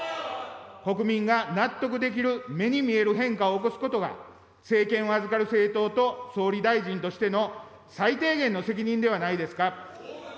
国民が納得できる目に見える変化を起こすことが、政権を預かる政党と総理大臣としての最低限の責任ではないですか。